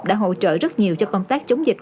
đã hỗ trợ rất nhiều cho công tác chống dịch